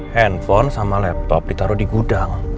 handphone sama laptop ditaruh di gudang